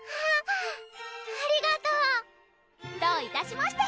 ありがとうどういたしまして！